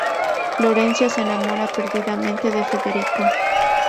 Florencia se enamora perdidamente de Federico.